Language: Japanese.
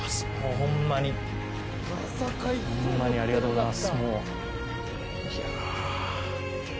ホンマにありがとうございます。